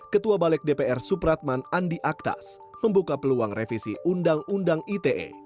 ketua balik dpr supratman andi aktas membuka peluang revisi undang undang ite